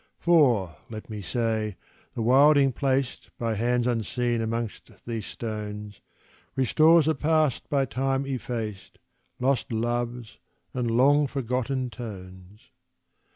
For, let me say, the wilding placed By hands unseen amongst these stones, Restores a Past by Time effaced, Lost loves and long forgotten tones!